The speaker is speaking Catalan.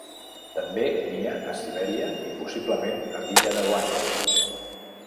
També nia a Sibèria i possiblement a l'illa de Wrangel.